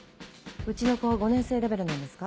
「うちの子は５年生レベルなんですか？